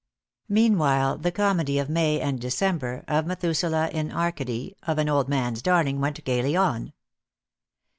Meanwhile the comedy of May and December, of Methuselah in Arcady, of "An Old Man's Darling," went gaily on.